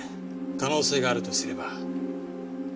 可能性があるとすれば。